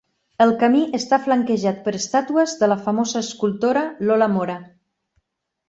El camí està flanquejat per estàtues de la famosa escultora Lola Mora.